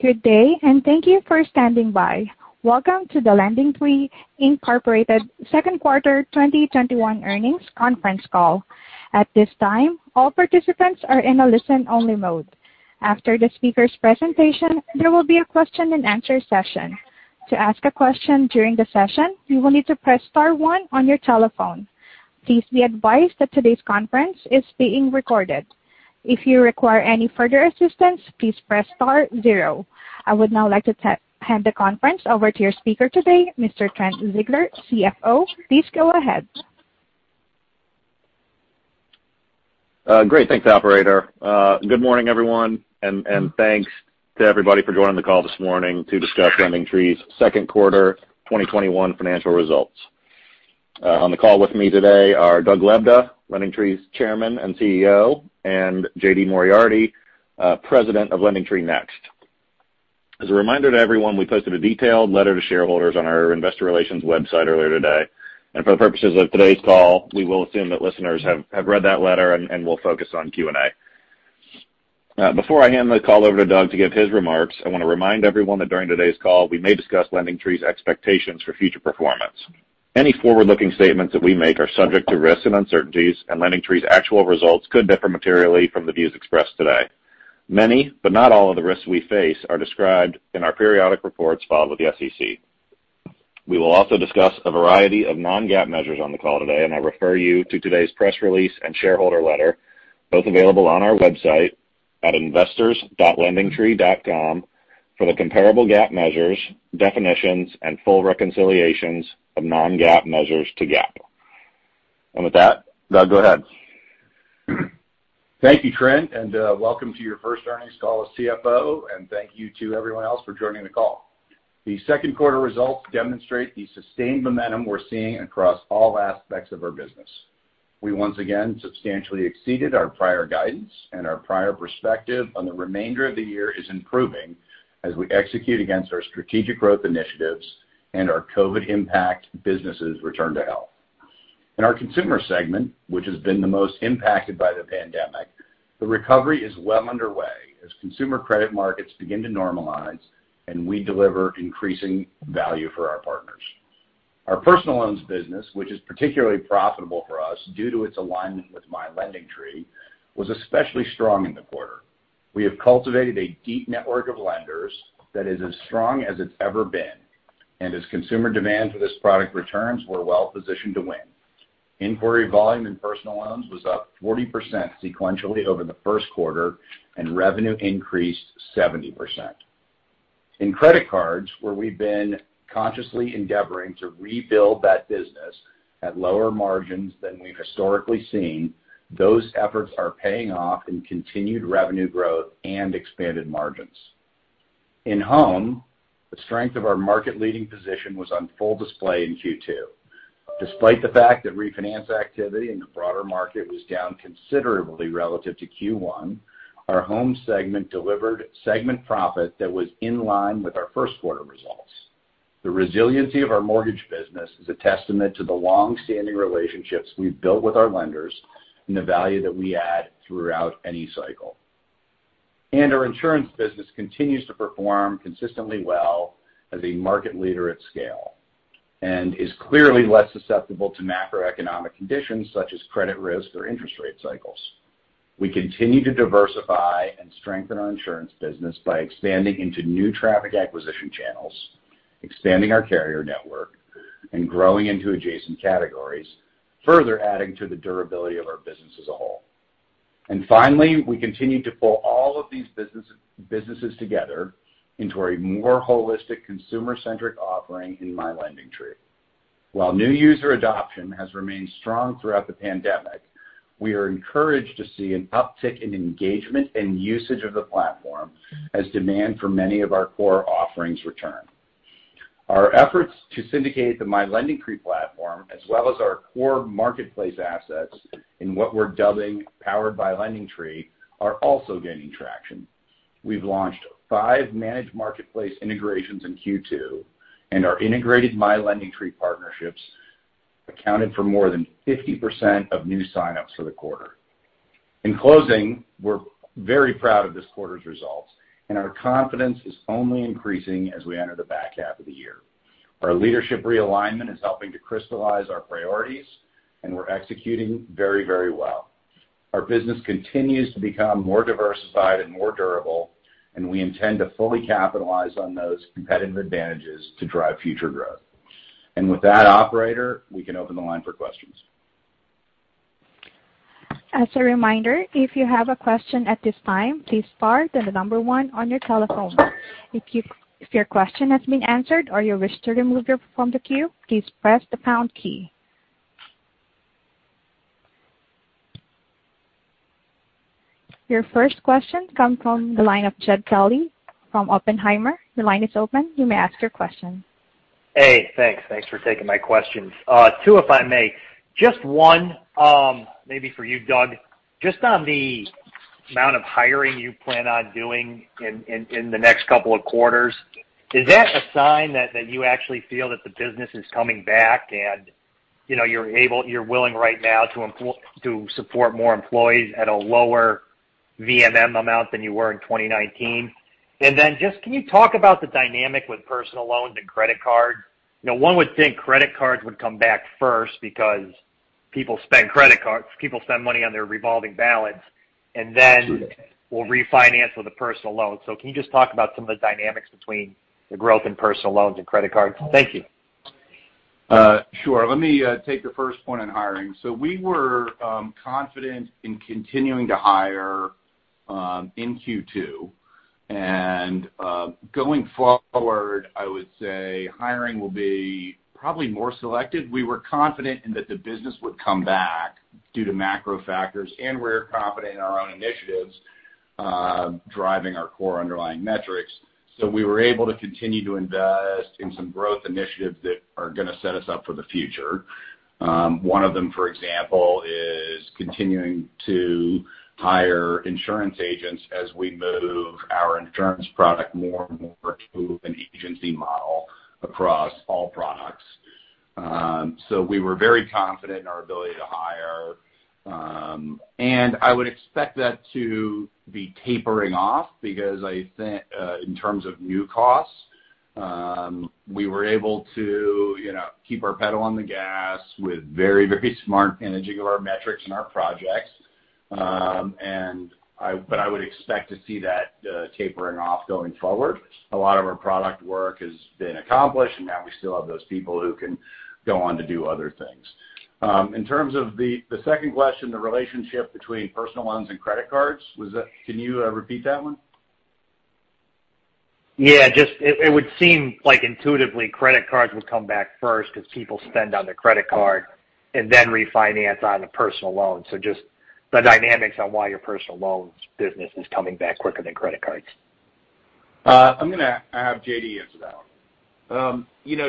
Good day, and thank you for standing by. Welcome to the LendingTree, Inc. Second Quarter 2021 Earnings Conference Call. At this time, all participants are in a listen-only mode. After the speaker's presentation, there will be a question and answer session. To ask a question during the session, you will need to press star one on your telephone. Please be advised that today's conference is being recorded. If you require any further assistance, please press star zero. I would now like to hand the conference over to your speaker today, Mr. Trent Ziegler, CFO. Please go ahead. Great. Thanks, operator. Good morning, everyone, and thanks to everybody for joining the call this morning to discuss LendingTree's second quarter 2021 financial results. On the call with me today are Doug Lebda, LendingTree's Chairman and CEO, and J.D. Moriarty, President of LendingTree Next. As a reminder to everyone, we posted a detailed letter to shareholders on our investor relations website earlier today, and for the purposes of today's call, we will assume that listeners have read that letter and will focus on Q&A. Before I hand the call over to Doug to give his remarks, I want to remind everyone that during today's call, we may discuss LendingTree's expectations for future performance. Any forward-looking statements that we make are subject to risks and uncertainties, and LendingTree's actual results could differ materially from the views expressed today. Many, but not all, of the risks we face are described in our periodic reports filed with the SEC. We will also discuss a variety of non-GAAP measures on the call today, and I refer you to today's press release and shareholder letter, both available on our website at investors.lendingtree.com for the comparable GAAP measures, definitions, and full reconciliations of non-GAAP measures to GAAP. With that, Doug, go ahead. Thank you, Trent. Welcome to your first earnings call as CFO. Thank you to everyone else for joining the call. The second quarter results demonstrate the sustained momentum we're seeing across all aspects of our business. We once again substantially exceeded our prior guidance, and our prior perspective on the remainder of the year is improving as we execute against our strategic growth initiatives and our COVID impact businesses return to health. In our consumer segment, which has been the most impacted by the pandemic, the recovery is well underway as consumer credit markets begin to normalize, and we deliver increasing value for our partners. Our personal loans business, which is particularly profitable for us due to its alignment with My LendingTree, was especially strong in the quarter. We have cultivated a deep network of lenders that is as strong as it's ever been. As consumer demand for this product returns, we're well positioned to win. Inquiry volume in personal loans was up 40% sequentially over the first quarter, and revenue increased 70%. In credit cards, where we've been consciously endeavoring to rebuild that business at lower margins than we've historically seen, those efforts are paying off in continued revenue growth and expanded margins. In home, the strength of our market-leading position was on full display in Q2. Despite the fact that refinance activity in the broader market was down considerably relative to Q1, our home segment delivered segment profit that was in line with our first quarter results. The resiliency of our mortgage business is a testament to the long-standing relationships we've built with our lenders and the value that we add throughout any cycle. Our insurance business continues to perform consistently well as a market leader at scale and is clearly less susceptible to macroeconomic conditions such as credit risk or interest rate cycles. We continue to diversify and strengthen our insurance business by expanding into new traffic acquisition channels, expanding our carrier network, and growing into adjacent categories, further adding to the durability of our business as a whole. Finally, we continue to pull all of these businesses together into a more holistic consumer-centric offering in My LendingTree. While new user adoption has remained strong throughout the pandemic, we are encouraged to see an uptick in engagement and usage of the platform as demand for many of our core offerings return. Our efforts to syndicate the My LendingTree platform, as well as our core marketplace assets in what we're dubbing Powered by LendingTree, are also gaining traction. We've launched five managed marketplace integrations in Q2, our integrated My LendingTree partnerships accounted for more than 50% of new signups for the quarter. In closing, we're very proud of this quarter's results, our confidence is only increasing as we enter the back half of the year. Our leadership realignment is helping to crystallize our priorities, we're executing very well. Our business continues to become more diversified and more durable, we intend to fully capitalize on those competitive advantages to drive future growth. With that, operator, we can open the line for questions. As a reminder if you have a question at this time press star then the number one of your telephone. If your question has been answered or if you withdraw from the queue please press the pound key. Your first question comes from the line of Jed Kelly from Oppenheimer. Your line is open. You may ask your question. Hey, thanks. Thanks for taking my questions. Two, if I may. Just one maybe for you, Doug. Just on the amount of hiring you plan on doing in the next couple of quarters. Is that a sign that you actually feel that the business is coming back and you're willing right now to support more employees at a lower VMM amount than you were in 2019. Just can you talk about the dynamic with personal loans and credit cards? One would think credit cards would come back first because people spend money on their revolving balance. Absolutely Will refinance with a personal loan. Can you just talk about some of the dynamics between the growth in personal loans and credit cards? Thank you. Sure. Let me take the first point on hiring. We were confident in continuing to hire in Q2. Going forward, I would say hiring will be probably more selective. We were confident in that the business would come back due to macro factors, and we're confident in our own initiatives driving our core underlying metrics. We were able to continue to invest in some growth initiatives that are going to set us up for the future. One of them, for example, is continuing to hire insurance agents as we move our insurance product more and more to an agency model across all products. We were very confident in our ability to hire. I would expect that to be tapering off because I think, in terms of new costs, we were able to keep our pedal on the gas with very, very smart managing of our metrics and our projects. I would expect to see that tapering off going forward. A lot of our product work has been accomplished, and now we still have those people who can go on to do other things. In terms of the second question, the relationship between personal loans and credit cards. Can you repeat that one? Yeah. It would seem like intuitively, credit cards would come back first because people spend on their credit card and then refinance on a personal loan. Just the dynamics on why your personal loans business is coming back quicker than credit cards. I'm going to have J.D. answer that one.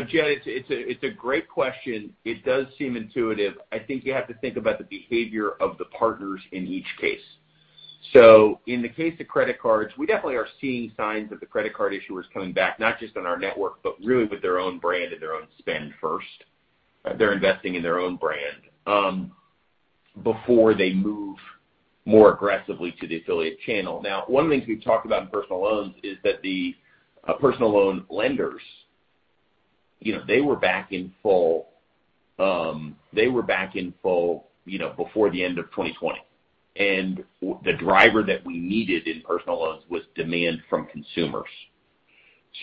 Jed, it's a great question. It does seem intuitive. I think you have to think about the behavior of the partners in each case. In the case of credit cards, we definitely are seeing signs of the credit card issuers coming back, not just on our network, but really with their own brand and their own spend first. They're investing in their own brand before they move more aggressively to the affiliate channel. One of the things we've talked about in personal loans is that the personal loan lenders were back in full before the end of 2020. The driver that we needed in personal loans was demand from consumers.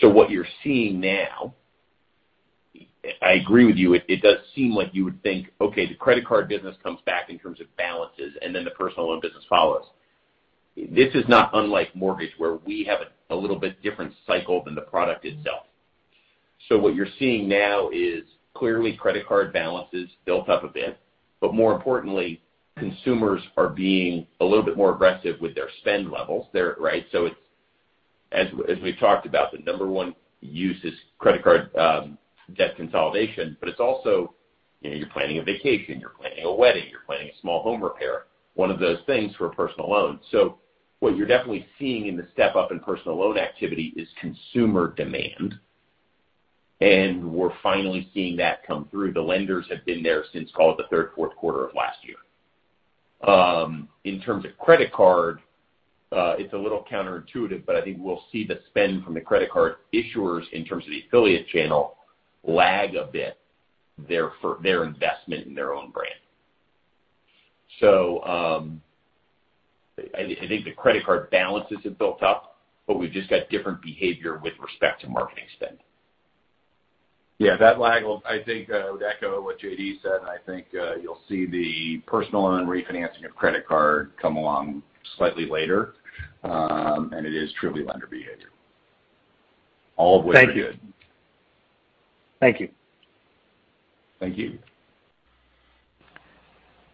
What you're seeing now, I agree with you, it does seem like you would think, okay, the credit card business comes back in terms of balances, and then the personal loan business follows. This is not unlike mortgage, where we have a little bit different cycle than the product itself. What you're seeing now is clearly credit card balances built up a bit. More importantly, consumers are being a little bit more aggressive with their spend levels, right? As we've talked about, the number one use is credit card debt consolidation, but it's also you're planning a vacation, you're planning a wedding, you're planning a small home repair, one of those things for a personal loan. What you're definitely seeing in the step-up in personal loan activity is consumer demand, and we're finally seeing that come through. The lenders have been there since, call it, the third, fourth quarter of last year. In terms of credit card, it's a little counterintuitive, but I think we'll see the spend from the credit card issuers in terms of the affiliate channel lag a bit their investment in their own brand. I think the credit card balances have built up, but we've just got different behavior with respect to marketing spend. Yeah. That lag. I think I would echo what J.D. said, and I think you'll see the personal loan refinancing of credit card come along slightly later. It is truly lender behavior, all of which are good. Thank you. Thank you.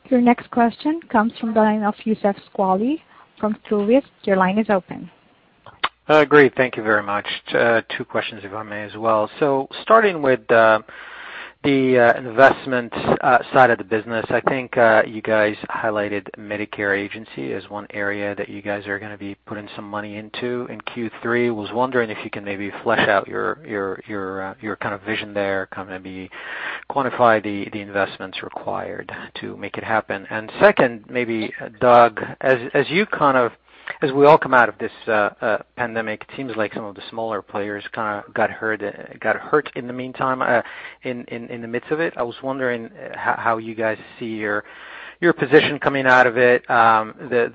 Your next question comes from the line of Youssef Squali from Truist. Your line is open. Great. Thank you very much. Two questions, if I may, as well. Starting with the investment side of the business. I think you guys highlighted Medicare agency as one area that you guys are going to be putting some money into in Q3. Was wondering if you can maybe flesh out your kind of vision there, kind of maybe quantify the investments required to make it happen. Second, maybe Doug, as we all come out of this pandemic, it seems like some of the smaller players kind of got hurt in the meantime, in the midst of it. I was wondering how you guys see your position coming out of it. The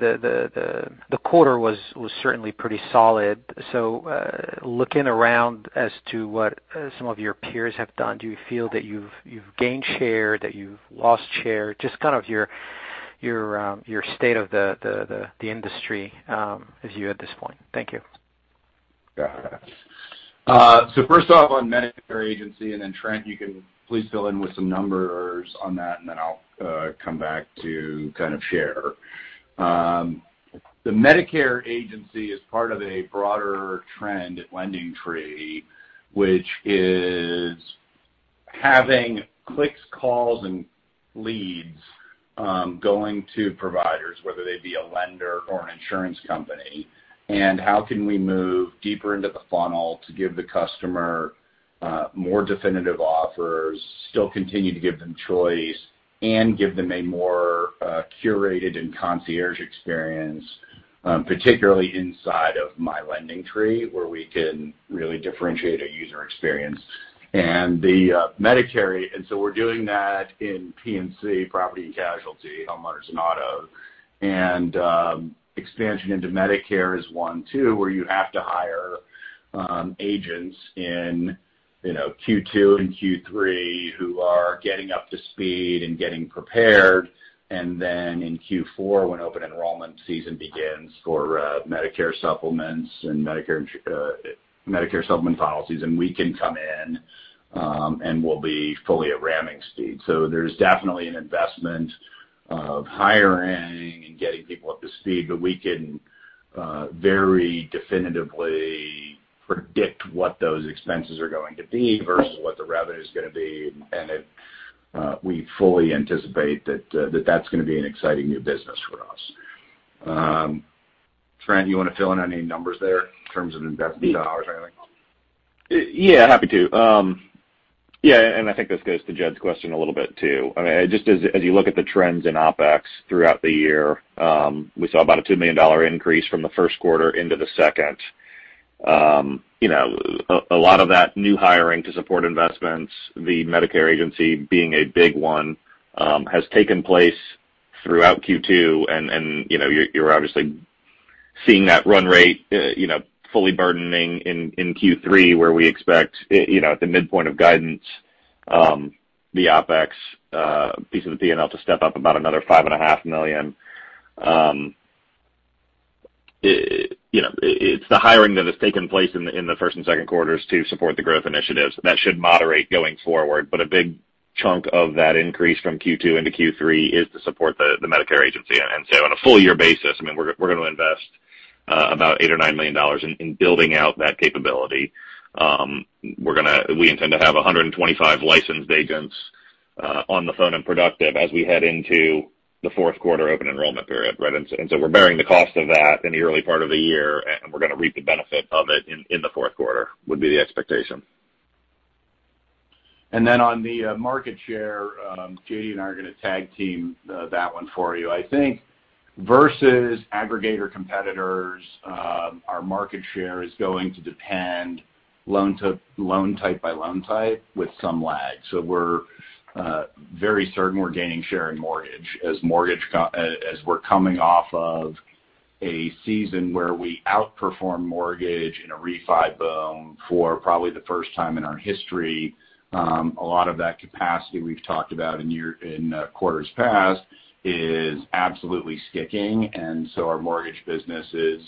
quarter was certainly pretty solid. Looking around as to what some of your peers have done, do you feel that you've gained share, that you've lost share? Just kind of your state of the industry as you at this point. Thank you. Yeah. First off, on Medicare agency, and then Trent, you can please fill in with some numbers on that, and then I'll come back to kind of share. The Medicare agency is part of a broader trend at LendingTree, which is having clicks, calls, and leads going to providers, whether they be a lender or an insurance company. How can we move deeper into the funnel to give the customer more definitive offers, still continue to give them choice, and give them a more curated and concierge experience, particularly inside of My LendingTree, where we can really differentiate a user experience. The Medicare, and so we're doing that in P&C property and casualty, homeowners and auto. Expansion into Medicare is one, too, where you have to hire agents in Q2 and Q3 who are getting up to speed and getting prepared. Then in Q4, when open enrollment season begins for Medicare supplements and Medicare supplement policies, we can come in, we'll be fully at ramming speed. There's definitely an investment of hiring and getting people up to speed. We can very definitively predict what those expenses are going to be versus what the revenue's going to be. We fully anticipate that that's going to be an exciting new business for us. Trent, you want to fill in any numbers there in terms of investment dollars or anything? Yeah, happy to. I think this goes to Jed's question a little bit, too. I mean, just as you look at the trends in OpEx throughout the year, we saw about a $2 million increase from the first quarter into the second. A lot of that new hiring to support investments, the Medicare agency being a big one, has taken place throughout Q2. You're obviously seeing that run rate fully burdening in Q3, where we expect at the midpoint of guidance, the OpEx piece of the P&L to step up about another $5.5 million. It's the hiring that has taken place in the first and second quarters to support the growth initiatives. That should moderate going forward. A big chunk of that increase from Q2 into Q3 is to support the Medicare agency. On a full-year basis, I mean, we're going to invest about $8 or $9 million in building out that capability. We intend to have 125 licensed agents on the phone and productive as we head into the fourth quarter open enrollment period. We're bearing the cost of that in the early part of the year, and we're going to reap the benefit of it in the fourth quarter, would be the expectation. On the market share, J.D. and I are going to tag team that one for you. I think versus aggregator competitors, our market share is going to depend loan type by loan type with some lag. We're very certain we're gaining share in mortgage as we're coming off of a season where we outperform mortgage in a refi boom for probably the first time in our history. A lot of that capacity we've talked about in quarters past is absolutely sticking, and so our mortgage business is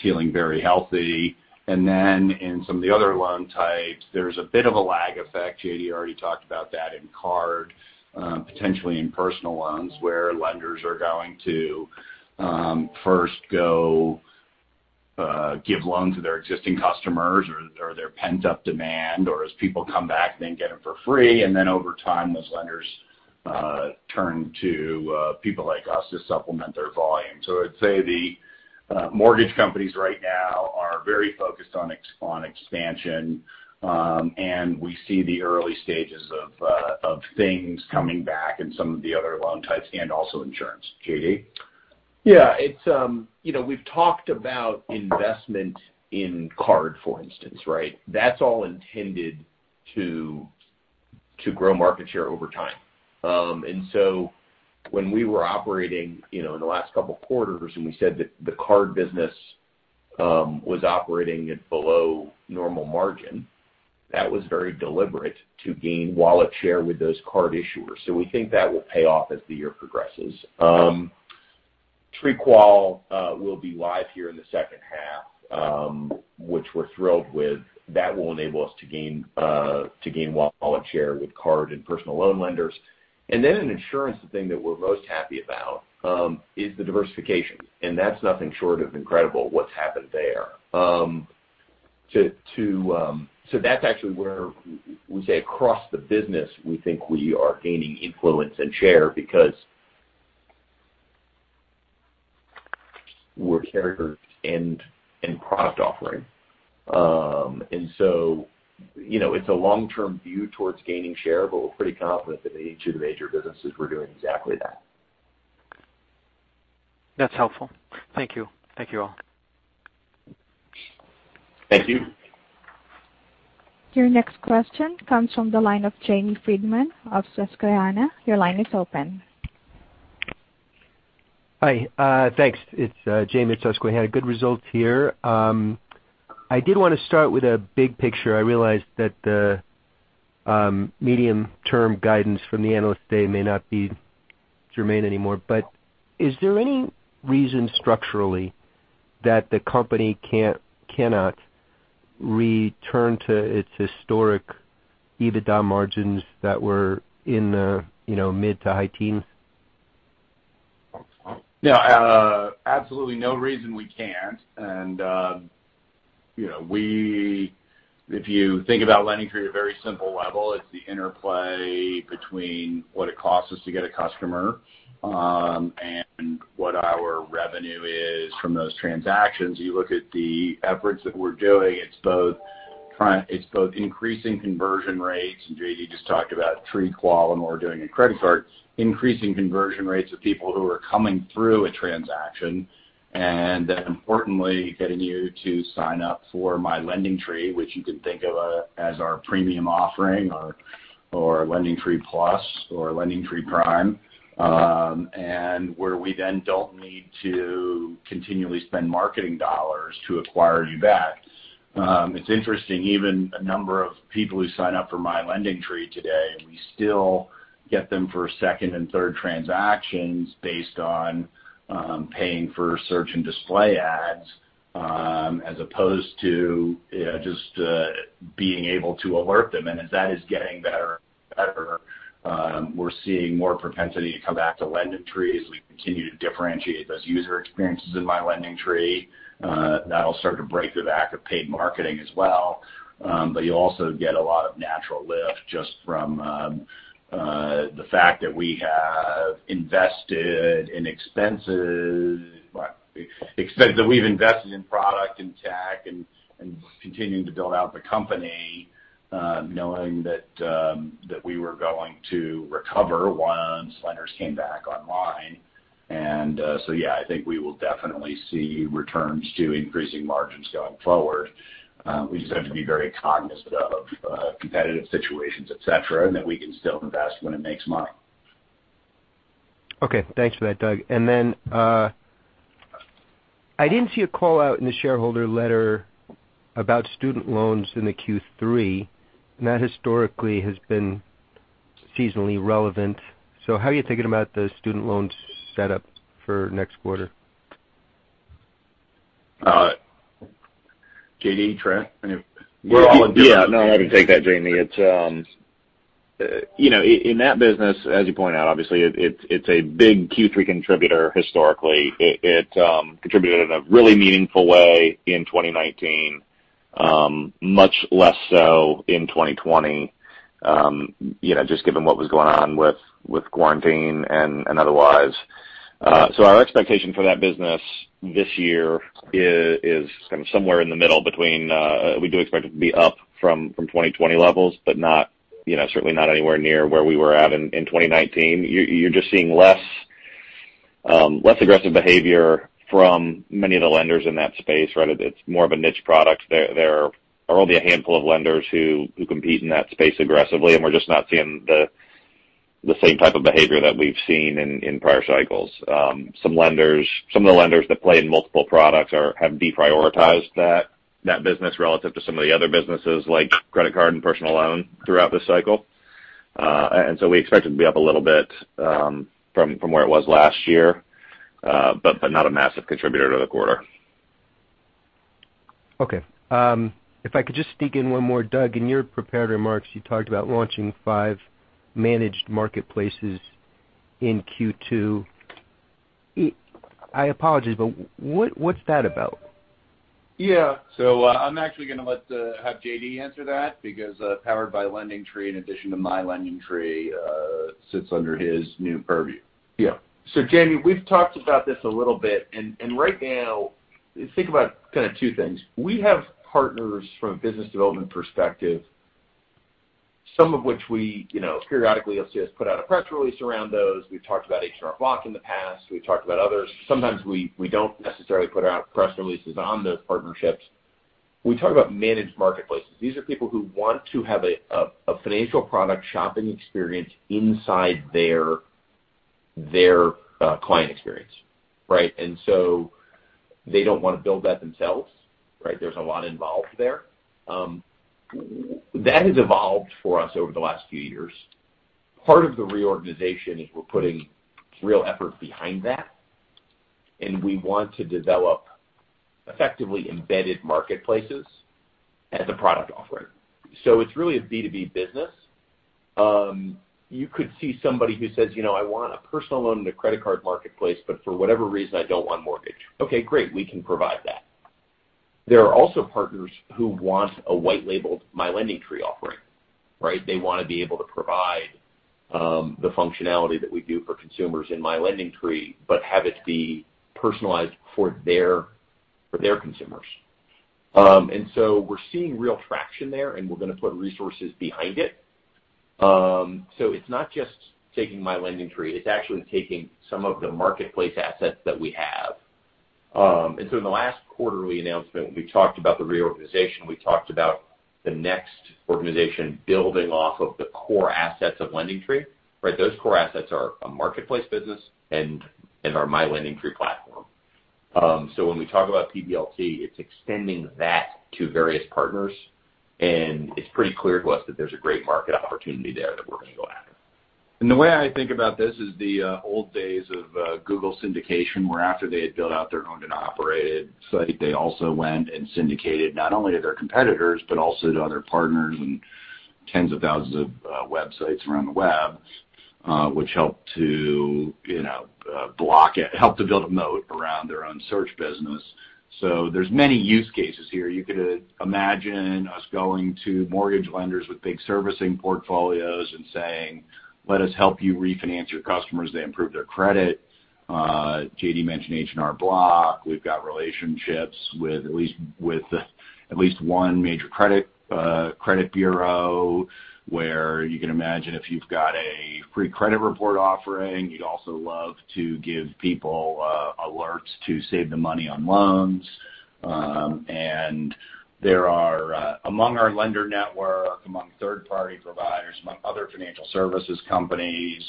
feeling very healthy. In some of the other loan types, there's a bit of a lag effect. J.D. already talked about that in card, potentially in personal loans, where lenders are going to first go give loans to their existing customers or their pent-up demand, or as people come back, then get them for free. Over time, those lenders turn to people like us to supplement their volume. I'd say the mortgage companies right now are very focused on expansion, and we see the early stages of things coming back in some of the other loan types and also insurance. J.D.? Yeah. We've talked about investment in card, for instance, right? That's all intended to grow market share over time. When we were operating in the last couple of quarters, and we said that the card business was operating at below normal margin, that was very deliberate to gain wallet share with those card issuers. We think that will pay off as the year progresses. TreeQual will be live here in the second half, which we're thrilled with. That will enable us to gain wallet share with card and personal loan lenders. In insurance, the thing that we're most happy about is the diversification, and that's nothing short of incredible what's happened there. That's actually where we say across the business, we think we are gaining influence and share because we're carriers in product offering. It's a long-term view towards gaining share, but we're pretty confident that in each of the major businesses, we're doing exactly that. That's helpful. Thank you. Thank you all. Thank you. Your next question comes from the line of Jamie Friedman of Susquehanna. Your line is open. Hi. Thanks. It's Jamie at Susquehanna. Good results here. I did want to start with a big picture. I realize that the medium-term guidance from the Analyst Day may not be germane anymore. Is there any reason structurally that the company cannot return to its historic EBITDA margins that were in the mid to high teens? Yeah. Absolutely no reason we can't. If you think about LendingTree at a very simple level, it's the interplay between what it costs us to get a customer and what our revenue is from those transactions. You look at the efforts that we're doing, it's both increasing conversion rates, and J.D. just talked about TreeQual and what we're doing in credit cards, increasing conversion rates of people who are coming through a transaction, and then importantly, getting you to sign up for My LendingTree, which you can think of as our premium offering or LendingTree Plus or LendingTree Prime, and where we then don't need to continually spend marketing dollars to acquire you back. It's interesting, even a number of people who sign up for My LendingTree today, we still get them for second and third transactions based on paying for search and display ads as opposed to just being able to alert them. As that is getting better and better, we're seeing more propensity to come back to LendingTree as we continue to differentiate those user experiences in My LendingTree. That'll start to break the back of paid marketing as well. You also get a lot of natural lift just from the fact that we've invested in product, in tech, and continuing to build out the company knowing that we were going to recover once lenders came back online. Yeah, I think we will definitely see returns to increasing margins going forward. We just have to be very cognizant of competitive situations, et cetera, and that we can still invest when it makes money. Okay. Thanks for that, Doug. I didn't see a call-out in the shareholder letter about student loans in the Q3, and that historically has been seasonally relevant. How are you thinking about the student loans set up for next quarter? J.D., Trent? Any of- We're all in business. Yeah. No, I can take that, Jamie. In that business, as you point out, obviously, it's a big Q3 contributor historically. It contributed in a really meaningful way in 2019, much less so in 2020, just given what was going on with quarantine and otherwise. Our expectation for that business this year is kind of somewhere in the middle. We do expect it to be up from 2020 levels, but certainly not anywhere near where we were at in 2019. You're just seeing less aggressive behavior from many of the lenders in that space. It's more of a niche product. There are only a handful of lenders who compete in that space aggressively, and we're just not seeing the same type of behavior that we've seen in prior cycles. Some of the lenders that play in multiple products have deprioritized that business relative to some of the other businesses like credit card and personal loan throughout this cycle. We expect it to be up a little bit from where it was last year. Not a massive contributor to the quarter. Okay. If I could just sneak in one more. Doug, in your prepared remarks, you talked about launching five managed marketplaces in Q2. I apologize, but what's that about? Yeah. I'm actually going to have J.D. answer that because Powered by LendingTree, in addition to My LendingTree, sits under his new purview. Jamie Friedman, we've talked about this a little bit, and right now, think about kind of two things. We have partners from a business development perspective, some of which periodically you'll see us put out a press release around those. We've talked about H&R Block in the past. We've talked about others. Sometimes we don't necessarily put out press releases on those partnerships. When we talk about managed marketplaces, these are people who want to have a financial product shopping experience inside their client experience. Right? They don't want to build that themselves. There's a lot involved there. That has evolved for us over the last few years. Part of the reorganization is we're putting real effort behind that, and we want to develop effectively embedded marketplaces as a product offering. It's really a B2B business. You could see somebody who says, I want a personal loan and a credit card marketplace, but for whatever reason, I don't want mortgage. Okay, great. We can provide that. There are also partners who want a white-labeled My LendingTree offering. They want to be able to provide the functionality that we do for consumers in My LendingTree, but have it be personalized for their consumers. We're seeing real traction there, and we're going to put resources behind it. It's not just taking My LendingTree, it's actually taking some of the marketplace assets that we have. In the last quarterly announcement, when we talked about the reorganization, we talked about the next organization building off of the core assets of LendingTree. Those core assets are a marketplace business and our My LendingTree platform. When we talk about PBLT, it's extending that to various partners, and it's pretty clear to us that there's a great market opportunity there that we're going to go after. The way I think about this is the old days of Google syndication, where after they had built out their owned and operated site, they also went and syndicated not only to their competitors, but also to other partners, Tens of thousands of websites around the web, which help to build a moat around their own search business. There's many use cases here. You could imagine us going to mortgage lenders with big servicing portfolios and saying, let us help you refinance your customers to improve their credit. J.D. mentioned H&R Block. We've got relationships with at least one major credit bureau, where you can imagine if you've got a free credit report offering, you'd also love to give people alerts to save them money on loans. Among our lender network, among third-party providers, among other financial services companies,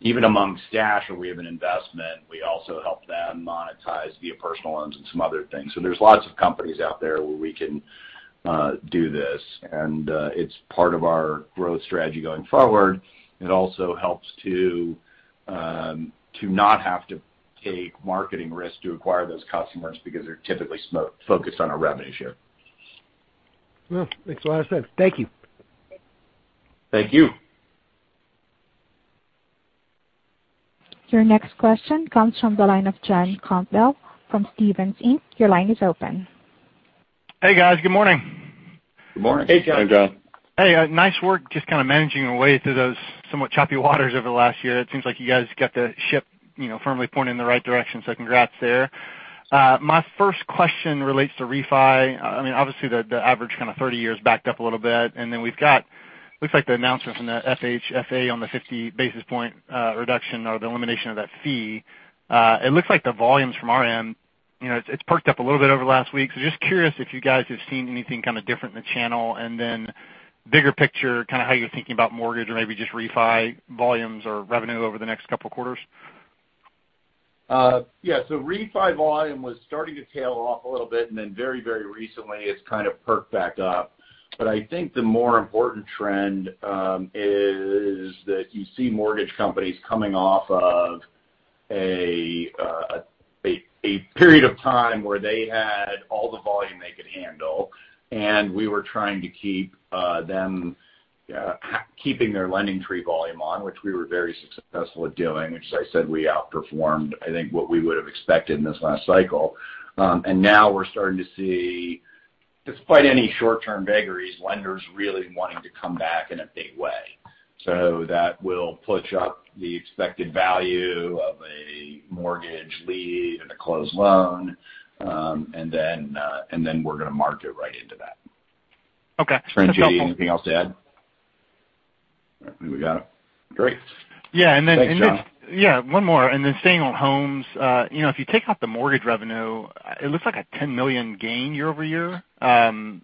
even among Stash, where we have an investment, we also help them monetize via personal loans and some other things. There's lots of companies out there where we can do this, and it's part of our growth strategy going forward. It also helps to not have to take marketing risks to acquire those customers because they're typically focused on our revenue share. Well, makes a lot of sense. Thank you. Thank you. Your next question comes from the line of John Campbell from Stephens Inc. Your line is open. Hey, guys. Good morning. Good morning. Hey, John. Hey, John. Hey. Nice work, just kind of managing your way through those somewhat choppy waters over the last year. Congrats there. My first question relates to refi. Obviously, the average kind of 30 years backed up a little bit, and then we've got looks like the announcements on the FHFA on the 50 basis point reduction or the elimination of that fee. It looks like the volumes from our end, it's perked up a little bit over the last week. Just curious if you guys have seen anything kind of different in the channel, and then bigger picture, kind of how you're thinking about mortgage or maybe just refi volumes or revenue over the next couple of quarters? Yeah. Refi volume was starting to tail off a little bit, and then very recently, it's kind of perked back up. I think the more important trend is that you see mortgage companies coming off of a period of time where they had all the volume they could handle, and we were trying to keep them keeping their LendingTree volume on, which we were very successful at doing, which, as I said, we outperformed, I think, what we would've expected in this last cycle. Now we're starting to see, despite any short-term vagaries, lenders really wanting to come back in a big way. That will push up the expected value of a mortgage lead and a closed loan. Then we're going to market right into that. Okay. That's helpful. Trent, J.D., anything else to add? I think we got it. Great. Yeah. Thanks, John. Yeah, one more. Staying on homes. If you take out the mortgage revenue, it looks like a $10 million gain year-over-year. I'm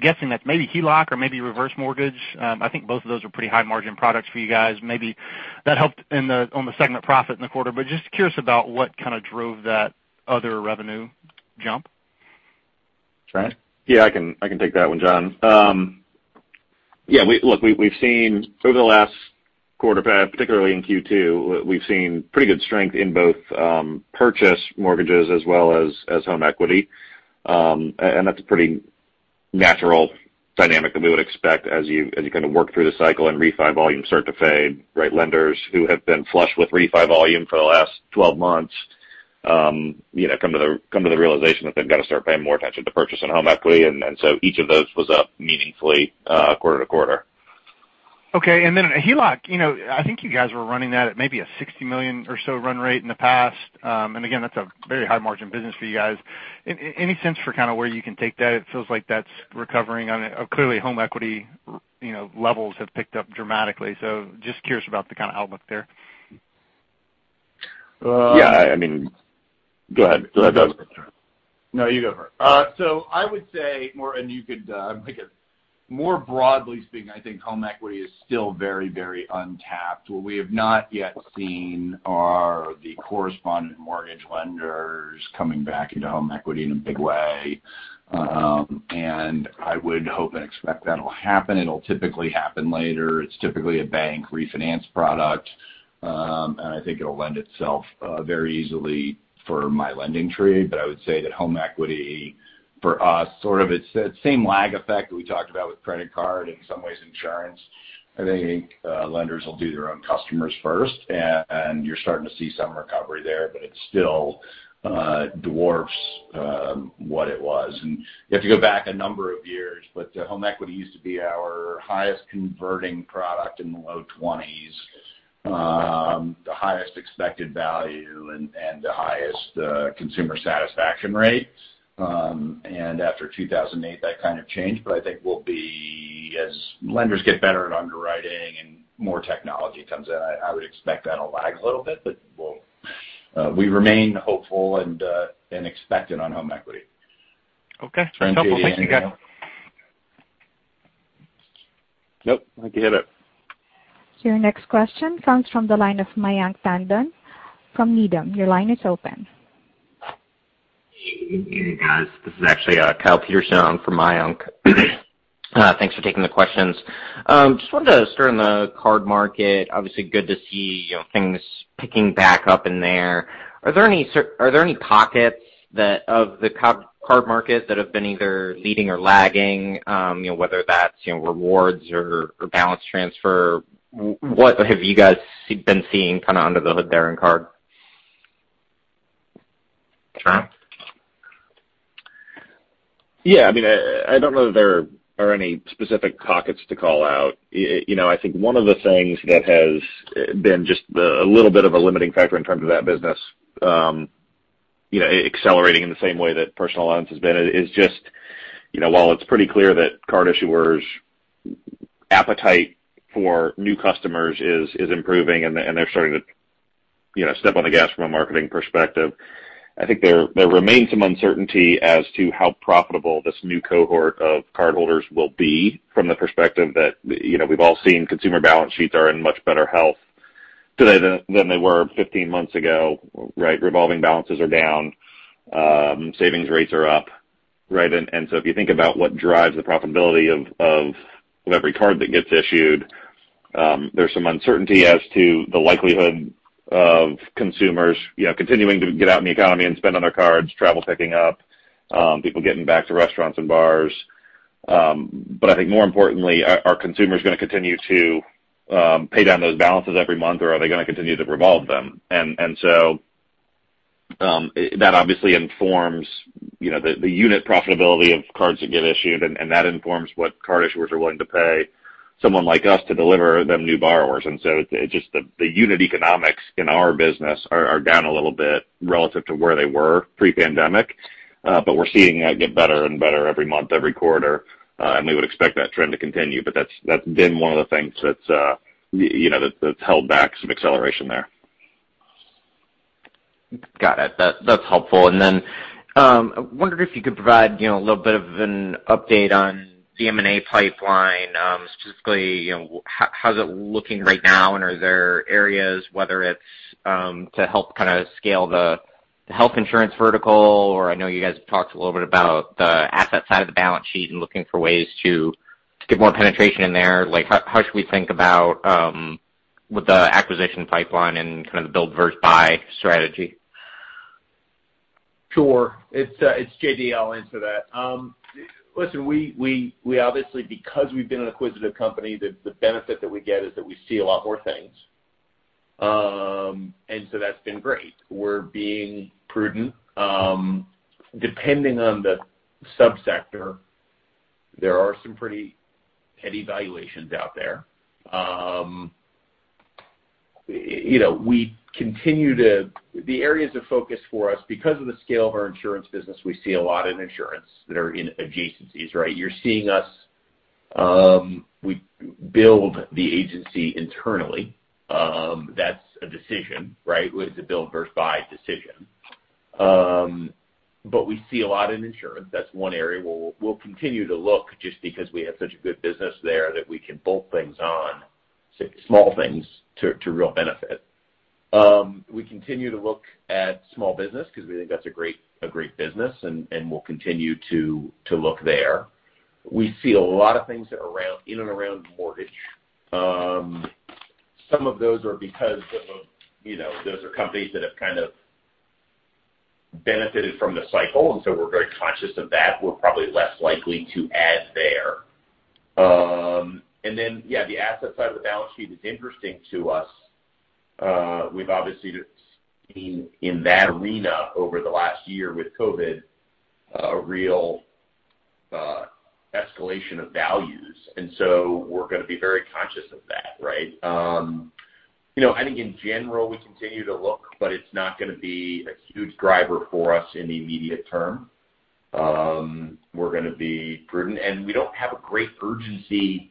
guessing that maybe HELOC or maybe reverse mortgage. I think both of those are pretty high-margin products for you guys. Maybe that helped on the segment profit in the quarter. Just curious about what drove that other revenue jump. Trent? Yeah, I can take that one, John. Look, over the last quarter, particularly in Q2, we've seen pretty good strength in both purchase mortgages as well as home equity. That's a pretty natural dynamic that we would expect as you kind of work through the cycle and refi volumes start to fade, right? Lenders who have been flush with refi volume for the last 12 months come to the realization that they've got to start paying more attention to purchase and home equity. Each of those was up meaningfully quarter to quarter. Okay. HELOC. I think you guys were running that at maybe a $60 million or so run rate in the past. That's a very high-margin business for you guys. Any sense for where you can take that? It feels like that's recovering clearly home equity levels have picked up dramatically. Just curious about the kind of outlook there. Yeah. Go ahead. No, you go for it. I would say more. More broadly speaking, I think home equity is still very untapped. What we have not yet seen are the correspondent mortgage lenders coming back into home equity in a big way. I would hope and expect that'll happen. It'll typically happen later. It's typically a bank refinance product. I think it'll lend itself very easily for My LendingTree, but I would say that home equity for us, sort of it's that same lag effect that we talked about with credit card, in some ways insurance. I think lenders will do their own customers first, and you're starting to see some recovery there, but it still dwarfs what it was. You have to go back a number of years, but home equity used to be our highest converting product in the low 20s. The highest expected value and the highest consumer satisfaction rate. After 2008, that kind of changed. I think as lenders get better at underwriting and more technology comes in, I would expect that'll lag a little bit, but we remain hopeful and expectant on home equity. Okay. That's helpful. Thanks, you guys. Trent, J.D., anything to add? Your next question comes from the line of Mayank Tandon from Needham. Your line is open. Hey guys. This is actually Kyle Peterson in for Mayank. Thanks for taking the questions. Just wanted to start on the card market. Obviously good to see things picking back up in there, are there any pockets of the card market that have been either leading or lagging? Whether that's rewards or balance transfer, what have you guys been seeing under the hood there in card? Trent? Yeah. I don't know that there are any specific pockets to call out. I think one of the things that has been just a little bit of a limiting factor in terms of that business, accelerating in the same way that personal loans has been, is just while it's pretty clear that card issuers' appetite for new customers is improving and they're starting to step on the gas from a marketing perspective. I think there remains some uncertainty as to how profitable this new cohort of cardholders will be from the perspective that we've all seen consumer balance sheets are in much better health today than they were 15 months ago. Right? Revolving balances are down. Savings rates are up. Right? If you think about what drives the profitability of every card that gets issued, there's some uncertainty as to the likelihood of consumers continuing to get out in the economy and spend on their cards, travel picking up, people getting back to restaurants and bars. I think more importantly, are consumers going to continue to pay down those balances every month or are they going to continue to revolve them? That obviously informs the unit profitability of cards that get issued and that informs what card issuers are willing to pay someone like us to deliver them new borrowers. Just the unit economics in our business are down a little bit relative to where they were pre-pandemic. We're seeing that get better and better every month, every quarter. We would expect that trend to continue. That's been one of the things that's held back some acceleration there. Got it. That's helpful. I wondered if you could provide a little bit of an update on the M&A pipeline. Specifically, how's it looking right now, and are there areas, whether it's to help scale the health insurance vertical, or I know you guys have talked a little bit about the asset side of the balance sheet and looking for ways to get more penetration in there. How should we think about with the acquisition pipeline and the build versus buy strategy? Sure. It's J.D. I'll answer that. Listen, we obviously, because we've been an acquisitive company, the benefit that we get is that we see a lot more things. That's been great. We're being prudent. Depending on the sub-sector, there are some pretty heady valuations out there. The areas of focus for us, because of the scale of our insurance business, we see a lot in insurance that are in adjacencies, right? You're seeing us. We build the agency internally. That's a decision, right? It's a build versus buy decision. We see a lot in insurance. That's one area where we'll continue to look just because we have such a good business there that we can bolt things on, small things, to real benefit. We continue to look at small business because we think that's a great business, and we'll continue to look there. We see a lot of things in and around mortgage. Some of those are because those are companies that have benefited from the cycle, we're very conscious of that. We're probably less likely to add there. The asset side of the balance sheet is interesting to us. We've obviously seen in that arena over the last year with COVID, a real escalation of values. We're going to be very conscious of that. I think in general, we continue to look, but it's not going to be a huge driver for us in the immediate term. We're going to be prudent, and we don't have a great urgency.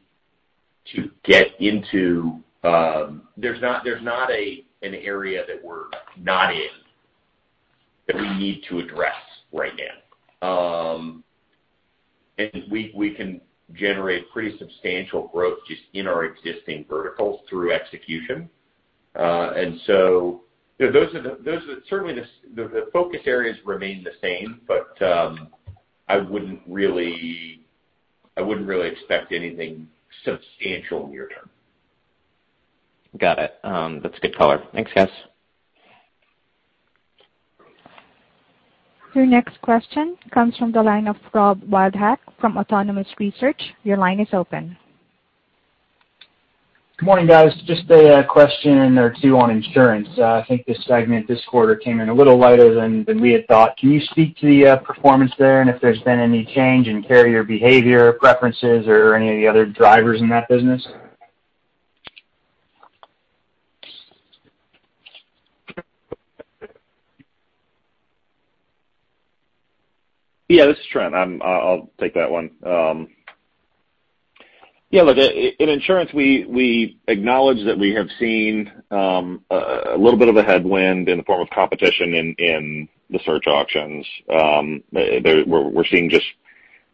There's not an area that we're not in that we need to address right now. We can generate pretty substantial growth just in our existing verticals through execution. Certainly, the focus areas remain the same, but I wouldn't really expect anything substantial near term. Got it. That's a good color. Thanks, guys. Your next question comes from the line of Rob Wildhack from Autonomous Research. Your line is open. Good morning, guys. Just a question or two on insurance. I think this segment this quarter came in a little lighter than we had thought. Can you speak to the performance there and if there's been any change in carrier behavior, preferences or any of the other drivers in that business? This is Trent Ziegler. I'll take that one. Look, in insurance, we acknowledge that we have seen a little bit of a headwind in the form of competition in the search auctions. We're seeing just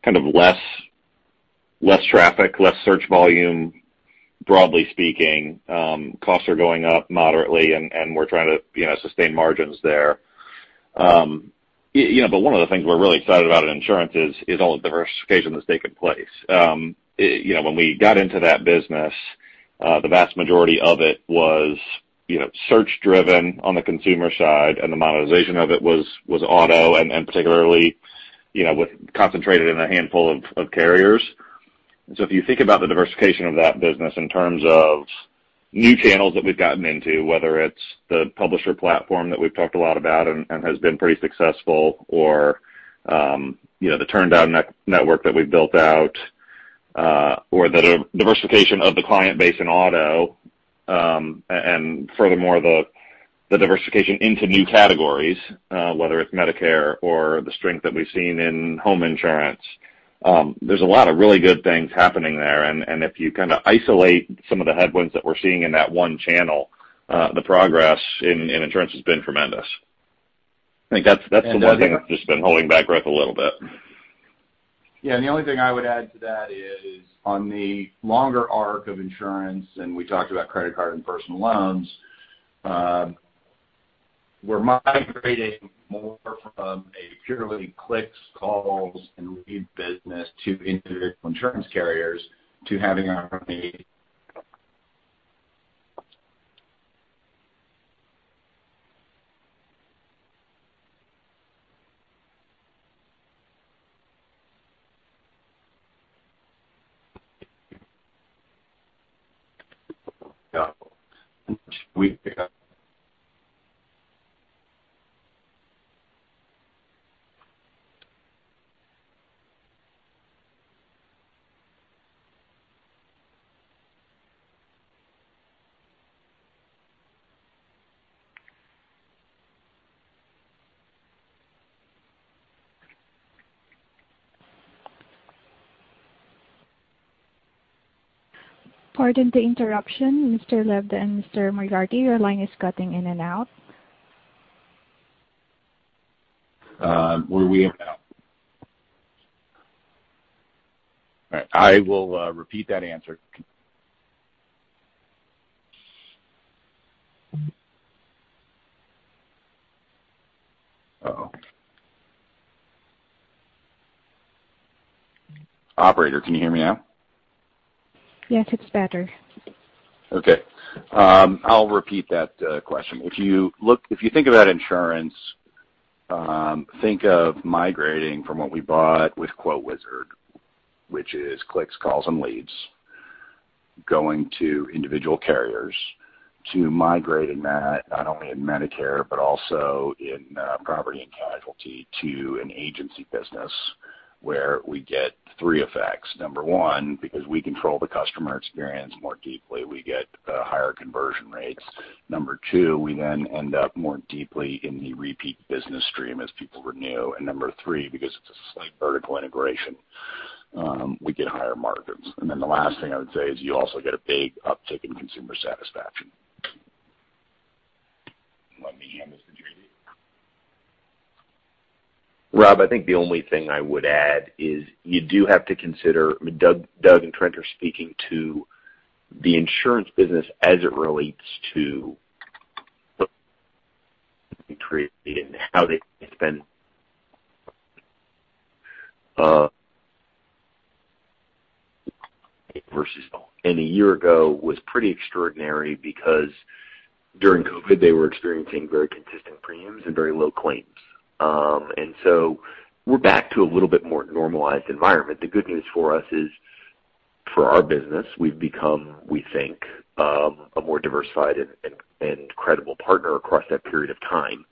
less traffic, less search volume, broadly speaking. Costs are going up moderately, and we're trying to sustain margins there. One of the things we're really excited about in insurance is all the diversification that's taken place. When we got into that business, the vast majority of it was search-driven on the consumer side, and the monetization of it was auto, and particularly, concentrated in a handful of carriers. If you think about the diversification of that business in terms of new channels that we've gotten into, whether it's the publisher platform that we've talked a lot about and has been pretty successful or the turndown network that we've built out, or the diversification of the client base in auto. Furthermore, the diversification into new categories, whether it's Medicare or the strength that we've seen in home insurance. There's a lot of really good things happening there, and if you isolate some of the headwinds that we're seeing in that one channel, the progress in insurance has been tremendous. I think that's the one thing that's just been holding back growth a little bit. Yeah, the only thing I would add to that is on the longer arc of insurance, and we talked about credit card and personal loans, we're migrating more from a purely clicks, calls, and lead business to individual insurance carriers to having our. Pardon the interruption, Mr. Lebda and Mr. Moriarty. Your line is cutting in and out. All right, I will repeat that answer. Operator, can you hear me now? Yes, it's better. Okay. I'll repeat that question. If you think about insurance, think of migrating from what we bought with QuoteWizard, which is clicks, calls, and leads, going to individual carriers to migrating that, not only in Medicare, but also in property and casualty, to an agency business where we get three effects. Number one, because we control the customer experience more deeply, we get higher conversion rates. Number two, we then end up more deeply in the repeat business stream as people renew. Number three, because it's a slight vertical integration, we get higher margins. The last thing I would say is you also get a big uptick in consumer satisfaction. Rob, I think the only thing I would add is you do have to consider, Doug and Trent are speaking to the insurance business as it relates to and how they spend versus and a year ago was pretty extraordinary because during COVID, they were experiencing very consistent premiums and very low claims. We're back to a little bit more normalized environment. The good news for us is for our business, we've become, we think, a more diversified and credible partner across that period of time.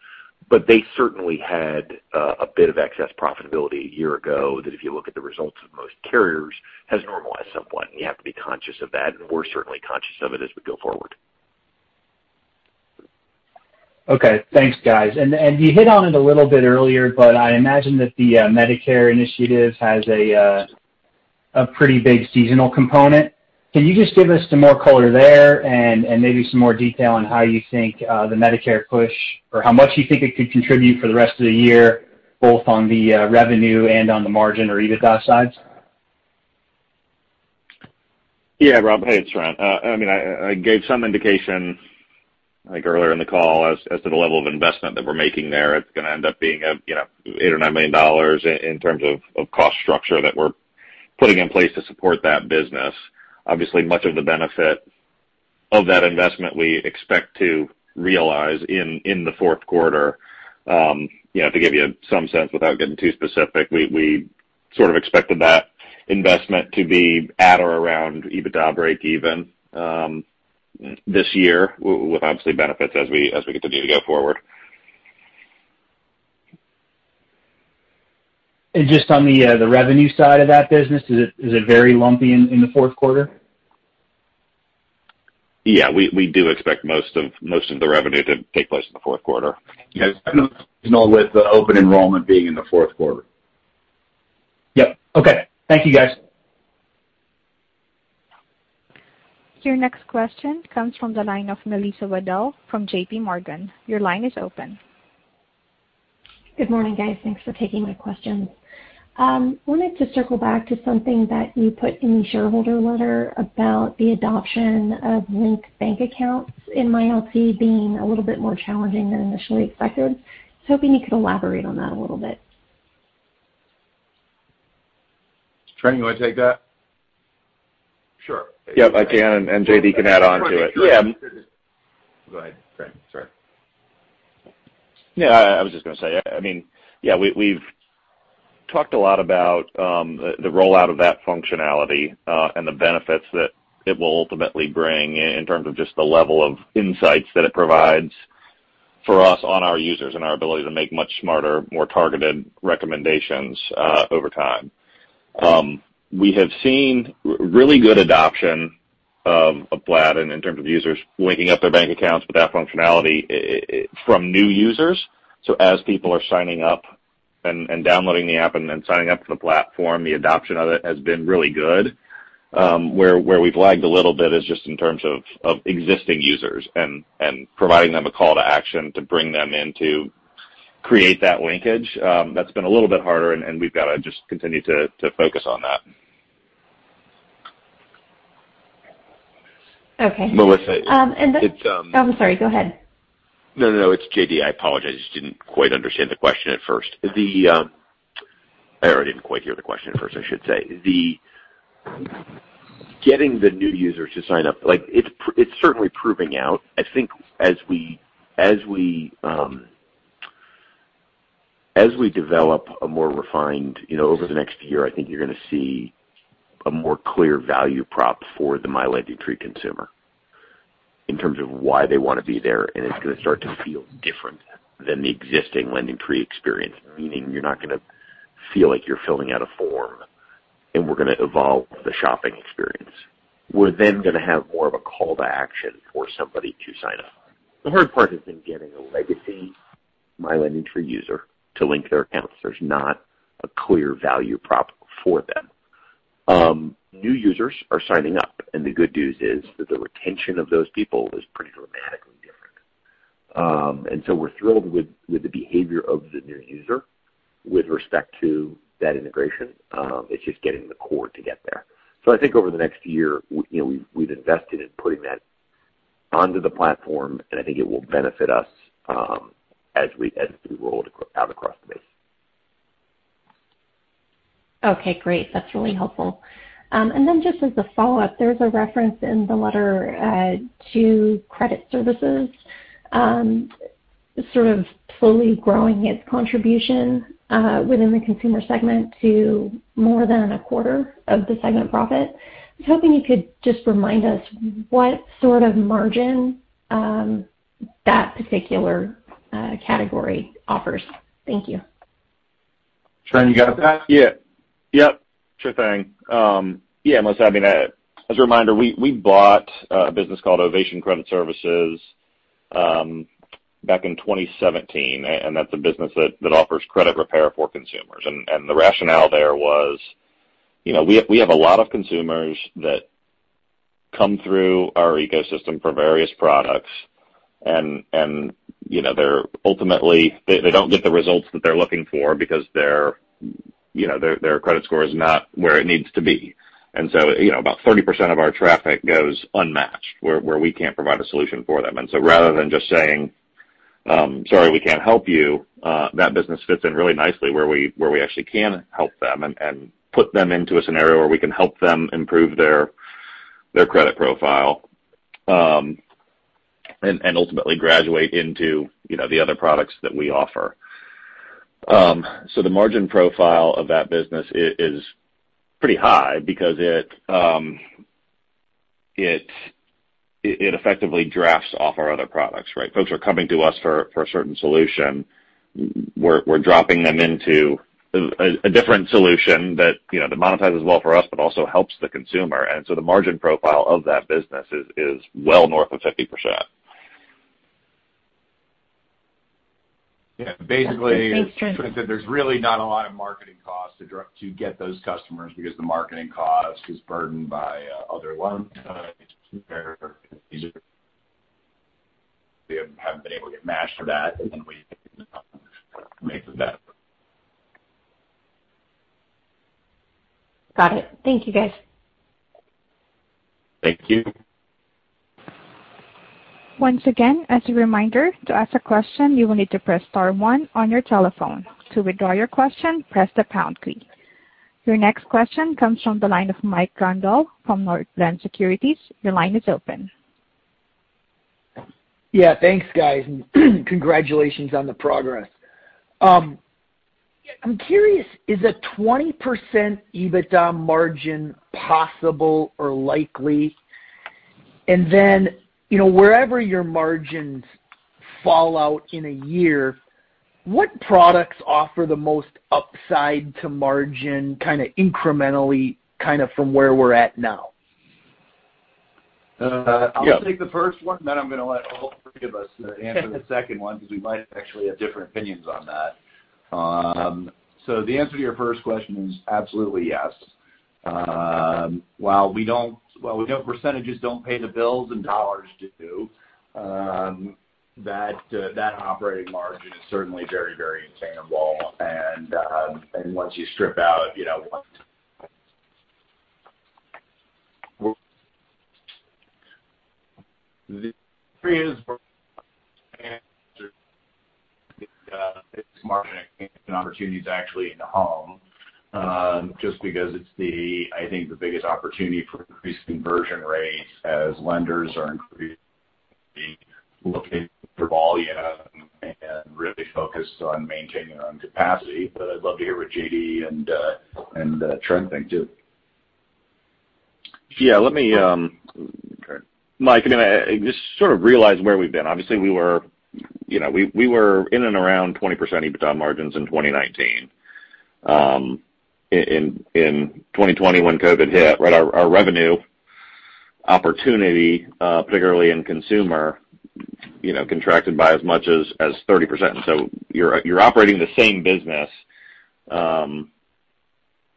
They certainly had a bit of excess profitability a year ago, that if you look at the results of most carriers, has normalized somewhat, and you have to be conscious of that, and we're certainly conscious of it as we go forward. Okay. Thanks, guys. You hit on it a little bit earlier, but I imagine that the Medicare initiative has a pretty big seasonal component. Can you just give us some more color there and maybe some more detail on how you think the Medicare push or how much you think it could contribute for the rest of the year, both on the revenue and on the margin or EBITDA sides? Yeah, Rob. Hey, it's Trent. I gave some indication earlier in the call as to the level of investment that we're making there. It's going to end up being $8 million or $9 million in terms of cost structure that we're putting in place to support that business. Obviously, much of the benefit of that investment we expect to realize in the fourth quarter. To give you some sense without getting too specific, we sort of expected that investment to be at or around EBITDA breakeven this year, with obviously benefits as we get the deal to go forward. Just on the revenue side of that business, is it very lumpy in the fourth quarter? Yeah, we do expect most of the revenue to take place in the fourth quarter. Yes, with the open enrollment being in the fourth quarter. Yep. Okay. Thank you, guys. Your next question comes from the line of Melissa Wedel from J.P. Morgan. Your line is open. Good morning, guys. Thanks for taking my questions. Wanted to circle back to something that you put in the shareholder letter about the adoption of linked bank accounts in MyLT being a little bit more challenging than initially expected. I was hoping you could elaborate on that a little bit. Trent, you want to take that? Sure. Yep, I can, and J.D. can add onto it. Go ahead, Trent. Sorry. Yeah, I was just going to say. We've talked a lot about the rollout of that functionality and the benefits that it will ultimately bring in terms of just the level of insights that it provides for us on our users and our ability to make much smarter, more targeted recommendations over time. We have seen really good adoption of that in terms of users linking up their bank accounts with that functionality from new users. As people are signing up and downloading the app and then signing up for the platform, the adoption of it has been really good. Where we've lagged a little bit is just in terms of existing users and providing them a call to action to bring them in to create that linkage. That's been a little bit harder, and we've got to just continue to focus on that. Okay. Melissa, I'm sorry, go ahead. No, it's J.D. I apologize. Didn't quite understand the question at first. Didn't quite hear the question at first, I should say. Getting the new users to sign up, it's certainly proving out. I think as we develop a more refined Over the next year, I think you're going to see a more clear value prop for the My LendingTree consumer in terms of why they want to be there, and it's going to start to feel different than the existing LendingTree experience, meaning you're not going to feel like you're filling out a form, and we're going to evolve the shopping experience. We're going to have more of a call to action for somebody to sign up. The hard part has been getting a legacy My LendingTree user to link their accounts. There's not a clear value prop for them. New users are signing up, and the good news is that the retention of those people is pretty dramatically different. We're thrilled with the behavior of the new user with respect to that integration. It's just getting the core to get there. I think over the next year, we've invested in putting that onto the platform, and I think it will benefit us as we roll it out across the base. Okay, great. That's really helpful. Just as a follow-up, there's a reference in the letter to credit services sort of slowly growing its contribution within the consumer segment to more than a quarter of the segment profit. I was hoping you could just remind us what sort of margin that particular category offers. Thank you. Trent, you got that? Yeah. Sure thing. Yeah, Melissa, as a reminder, we bought a business called Ovation Credit Services back in 2017, and that's a business that offers credit repair for consumers. The rationale there was we have a lot of consumers that come through our ecosystem for various products, and ultimately they don't get the results that they're looking for because their credit score is not where it needs to be. About 30% of our traffic goes unmatched, where we can't provide a solution for them. Rather than just saying, sorry, we can't help you, that business fits in really nicely where we actually can help them and put them into a scenario where we can help them improve their credit profile and ultimately graduate into the other products that we offer. The margin profile of that business is pretty high because it effectively drafts off our other products, right? Folks are coming to us for a certain solution. We're dropping them into a different solution that monetizes well for us, but also helps the consumer. The margin profile of that business is well north of 50%. Yeah. Thanks, Trent. There's really not a lot of marketing costs to get those customers because the marketing cost is burdened by other loans where we haven't been able to get matched for that, and then we make it better. Got it. Thank you, guys. Thank you. Once again, as a reminder to ask a question you need to press star one on your telephone. To withdraw your question press the pound key. Your next question comes from the line of Mike Grondahl from Northland Securities. Your line is open. Yeah, thanks, guys, and congratulations on the progress. I'm curious, is a 20% EBITDA margin possible or likely? Wherever your margins fall out in a year, what products offer the most upside to margin incrementally from where we're at now? I'll take the first one. I'm going to let all three of us answer the second one because we might actually have different opinions on that. The answer to your first question is absolutely yes. While percentage don't pay the bills and dollars do, that operating margin is certainly very attainable. Once you strip out the opportunity is actually in the home just because it's, I think, the biggest opportunity for increased conversion rates as lenders are increasingly looking for volume and really focused on maintaining their own capacity. I'd love to hear what J.D. and Trent think, too. Mike, just sort of realize where we've been. We were in and around 20% EBITDA margins in 2019. In 2020, when COVID hit, our revenue opportunity, particularly in consumer, contracted by as much as 30%. You're operating the same business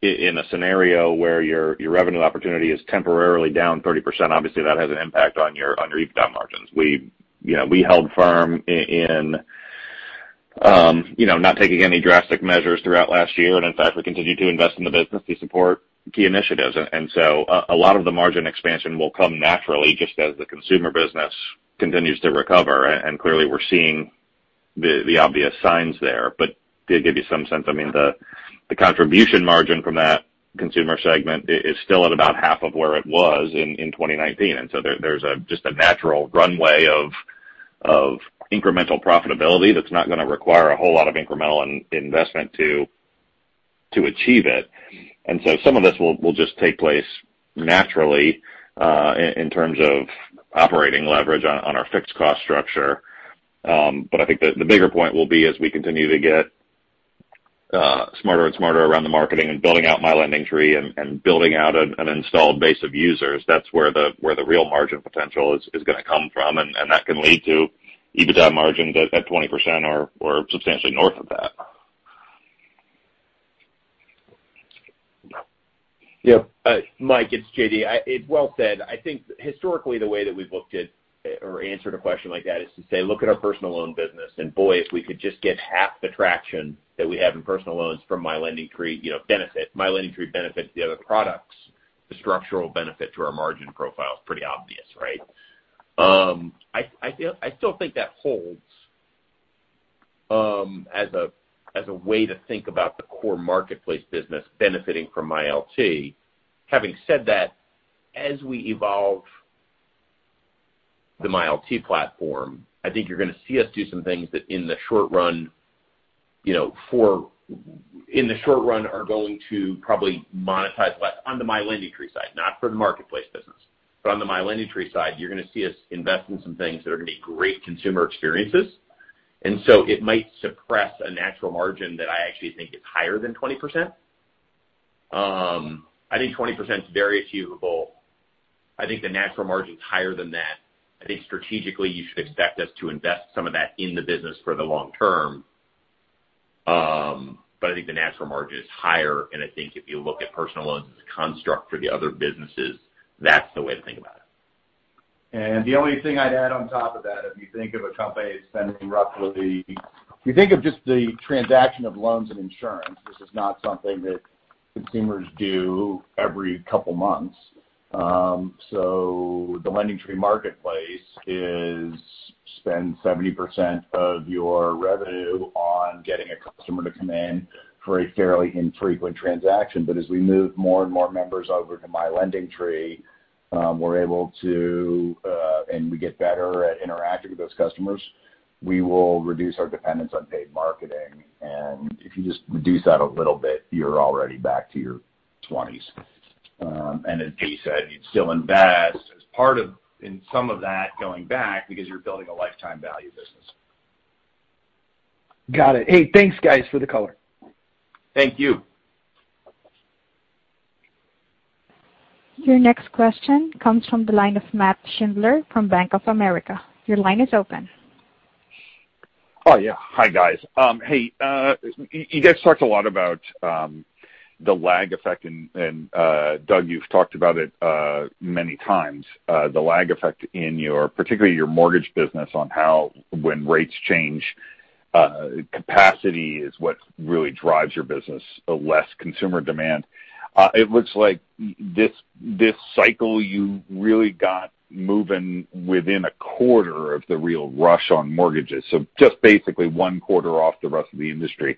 in a scenario where your revenue opportunity is temporarily down 30%. That has an impact on your EBITDA margins. We held firm in not taking any drastic measures throughout last year. In fact, we continued to invest in the business to support key initiatives. A lot of the margin expansion will come naturally just as the consumer business continues to recover. Clearly, we're seeing the obvious signs there. To give you some sense, I mean, the contribution margin from that consumer segment is still at about half of where it was in 2019. There's just a natural runway of incremental profitability that's not going to require a whole lot of incremental investment to achieve it. Some of this will just take place naturally in terms of operating leverage on our fixed cost structure. I think the bigger point will be as we continue to get smarter around the marketing and building out My LendingTree and building out an installed base of users. That's where the real margin potential is going to come from. That can lead to EBITDA margins at 20% or substantially north of that. Mike, it's J.D. Well said. I think historically, the way that we've looked at or answered a question like that is to say, look at our personal loan business. Boy, if we could just get half the traction that we have in personal loans from My LendingTree benefit the other products, the structural benefit to our margin profile is pretty obvious, right? I still think that holds as a way to think about the core marketplace business benefiting from MyLT. Having said that, as we evolve the MyLT platform, I think you're going to see us do some things that in the short run are going to probably monetize less on the My LendingTree side, not for the marketplace business. On the My LendingTree side, you're going to see us invest in some things that are going to be great consumer experiences. It might suppress a natural margin that I actually think is higher than 20%. I think 20% is very achievable. I think the natural margin's higher than that. I think strategically, you should expect us to invest some of that in the business for the long term. I think the natural margin is higher, and I think if you look at personal loans as a construct for the other businesses, that's the way to think about it. The only thing I'd add on top of that, if you think of a company spending roughly, if you think of just the transaction of loans and insurance, this is not something that consumers do every couple of months. The LendingTree marketplace spends 70% of your revenue on getting a customer to come in for a fairly infrequent transaction. As we move more and more members over to My LendingTree, and we get better at interacting with those customers, we will reduce our dependence on paid marketing. If you just reduce that a little bit, you're already back to your twenties. As J.D. said, you'd still invest as part of in some of that going back because you're building a lifetime value business. Got it. Hey, thanks, guys, for the color. Thank you. Your next question comes from the line of Nat Schindler from Bank of America. Your line is open. Oh, yeah. Hi, guys. You guys talked a lot about the lag effect, and Doug, you've talked about it many times. The lag effect in particular your mortgage business on how when rates change, capacity is what really drives your business, less consumer demand. It looks like this cycle you really got moving within a quarter of the real rush on mortgages. Just basically one quarter off the rest of the industry.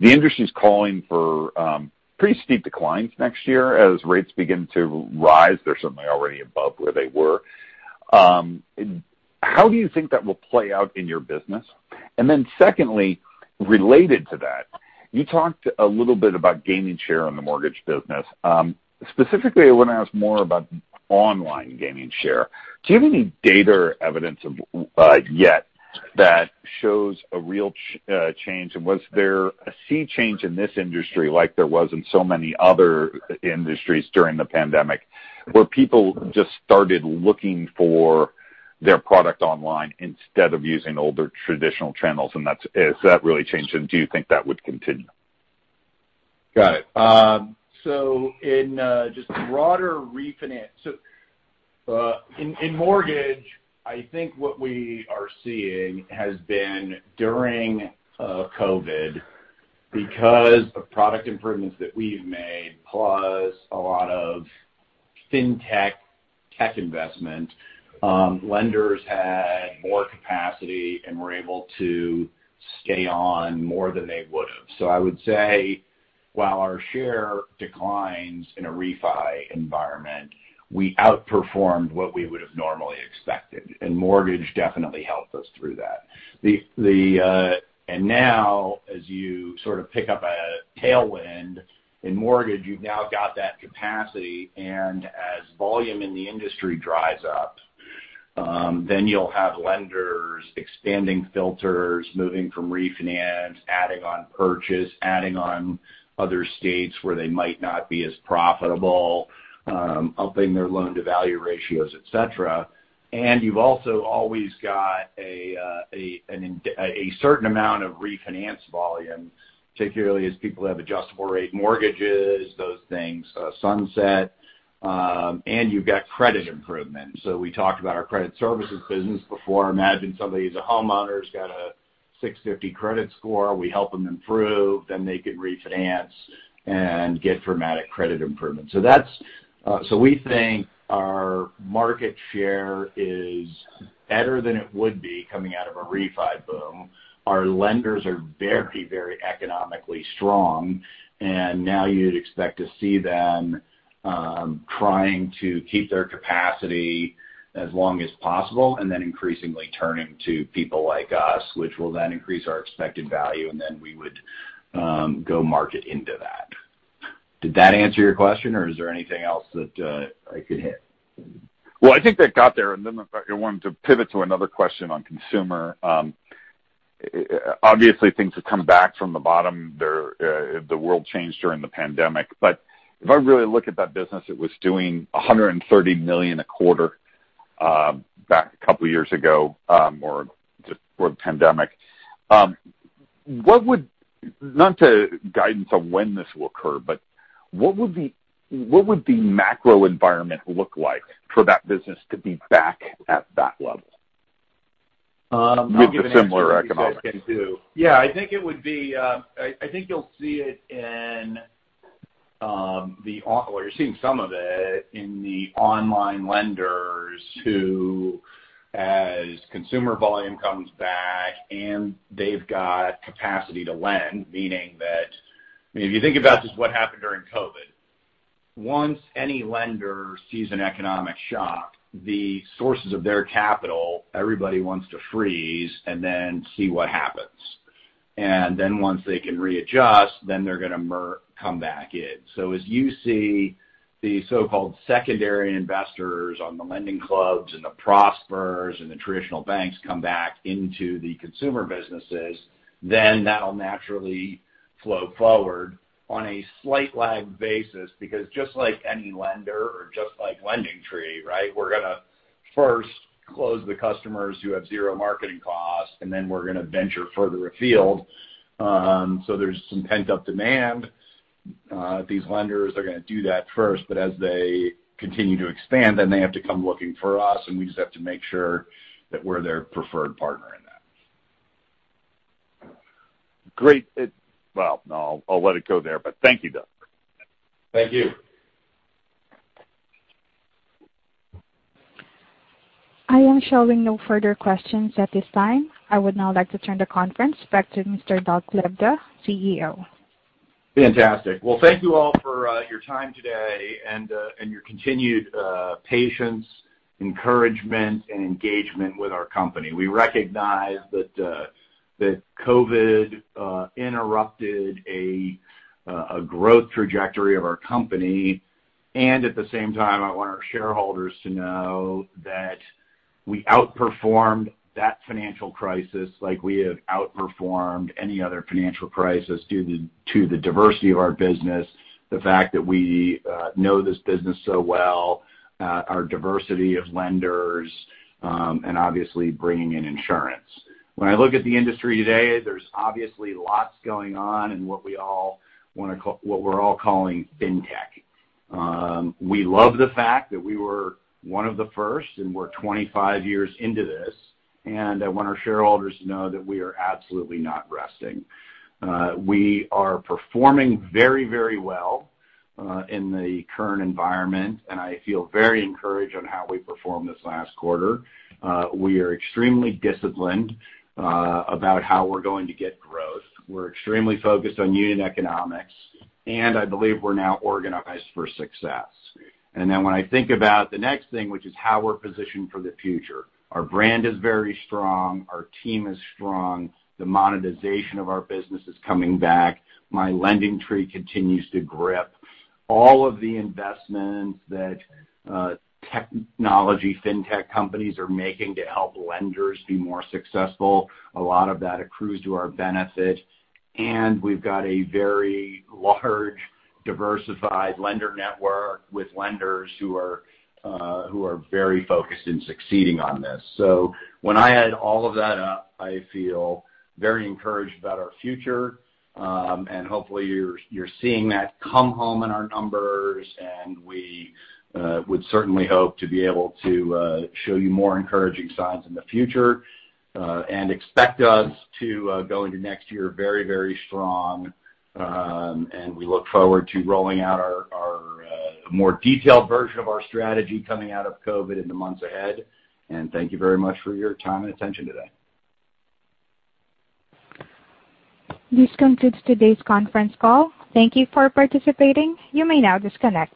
The industry's calling for pretty steep declines next year as rates begin to rise. They're certainly already above where they were. How do you think that will play out in your business? Secondly, related to that, you talked a little bit about gaining share on the mortgage business. Specifically, I want to ask more about online gaining share. Do you have any data or evidence yet that shows a real change? Was there a sea change in this industry like there was in so many other industries during the pandemic, where people just started looking for their product online instead of using older traditional channels, and has that really changed, and do you think that would continue? Got it. In mortgage, I think what we are seeing has been during COVID, because of product improvements that we've made, plus a lot of fintech tech investment, lenders had more capacity and were able to stay on more than they would have. I would say while our share declines in a refi environment, we outperformed what we would have normally expected, and mortgage definitely helped us through that. Now, as you sort of pick up a tailwind in mortgage, you've now got that capacity, and as volume in the industry dries up, you'll have lenders expanding filters, moving from refinance, adding on purchase, adding on other states where they might not be as profitable, upping their loan-to-value ratios, et cetera. You've also always got a certain amount of refinance volume, particularly as people have adjustable rate mortgages, those things sunset, and you've got credit improvement. We talked about our credit services business before. Imagine somebody's a homeowner who's got a 650 credit score. We help them improve, then they could refinance and get dramatic credit improvement. We think our market share is better than it would be coming out of a refi boom. Our lenders are very economically strong, and now you'd expect to see them trying to keep their capacity as long as possible, and then increasingly turning to people like us, which will then increase our expected value, and then we would go market into that. Did that answer your question, or is there anything else that I could hit? Well, I think that got there. I wanted to pivot to another question on consumer. Obviously, things have come back from the bottom. The world changed during the pandemic. If I really look at that business, it was doing $130 million a quarter back two years ago or just before the pandemic. Not to guidance on when this will occur, but what would the macro environment look like for that business to be back at that level? I'm not going to answer- With the similar economics. if you guys can do. Well, you're seeing some of it in the online lenders who, as consumer volume comes back and they've got capacity to lend, meaning that. I mean, if you think about just what happened during COVID. Once any lender sees an economic shock, the sources of their capital, everybody wants to freeze and then see what happens. Once they can readjust, then they're going to come back in. As you see the so-called secondary investors on the LendingClub and the Prosper and the traditional banks come back into the consumer businesses, then that'll naturally flow forward on a slight lag basis because just like any lender or just like LendingTree, right? We're going to first close the customers who have zero marketing costs, and then we're going to venture further afield. There's some pent-up demand. These lenders are going to do that first, but as they continue to expand, then they have to come looking for us, and we just have to make sure that we're their preferred partner in that. Great. Well, no, I'll let it go there, but thank you, Doug. Thank you. I am showing no further questions at this time. I would now like to turn the conference back to Mr. Doug Lebda, CEO. Fantastic. Well, thank you all for your time today and your continued patience, encouragement, and engagement with our company. We recognize that COVID interrupted a growth trajectory of our company. At the same time, I want our shareholders to know that we outperformed that financial crisis like we have outperformed any other financial crisis due to the diversity of our business, the fact that we know this business so well, our diversity of lenders, and obviously bringing in insurance. When I look at the industry today, there's obviously lots going on in what we're all calling fintech. We love the fact that we were one of the first, and we're 25 years into this, and I want our shareholders to know that we are absolutely not resting. We are performing very well in the current environment, and I feel very encouraged on how we performed this last quarter. We are extremely disciplined about how we're going to get growth. We're extremely focused on unit economics, and I believe we're now organized for success. When I think about the next thing, which is how we're positioned for the future. Our brand is very strong. Our team is strong. The monetization of our business is coming back. My LendingTree continues to grip. All of the investments that technology fintech companies are making to help lenders be more successful, a lot of that accrues to our benefit. We've got a very large, diversified lender network with lenders who are very focused in succeeding on this. When I add all of that up, I feel very encouraged about our future. Hopefully, you're seeing that come home in our numbers, and we would certainly hope to be able to show you more encouraging signs in the future. Expect us to go into next year very strong. We look forward to rolling out our more detailed version of our strategy coming out of COVID in the months ahead. Thank you very much for your time and attention today. This concludes today's conference call. Thank you for participating. You may now disconnect.